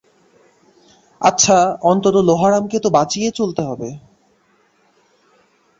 আচ্ছা, অন্তত লোহারামকে তো বাঁচিয়ে চলতে হবে।